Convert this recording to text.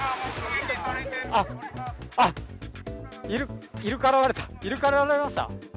あっ、あっ、イルカが現れた、イルカが現れました。